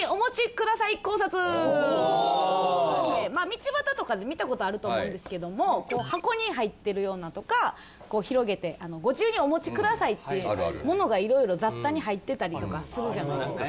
道端とかで見た事あると思うんですけども箱に入ってるようなのとか広げて「ご自由にお持ちください」ってものがいろいろ雑多に入ってたりとかするじゃないですか。